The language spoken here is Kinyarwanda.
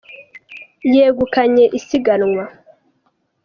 yegukanye isiganwa